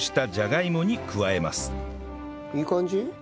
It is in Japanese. いい感じ？